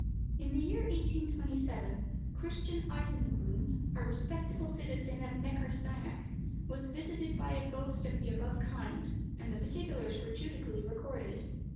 In the year 1827, Christian Eisengrun, a respectable citizen of Neckarsteinach, was visited by a ghost of the above kind, and the particulars were judically recorded.